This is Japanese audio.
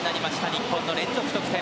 日本の連続得点。